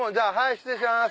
失礼します。